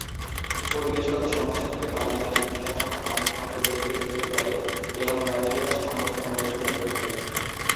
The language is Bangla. পরিবেশগত সমস্যা থেকে পালিয়ে আসা বিশাল সংখ্যক মানুষ স্বল্প দূরত্বে হিজরত করে এবং প্রায়শই তা সাময়িক সময়ের জন্য হয়ে থাকে।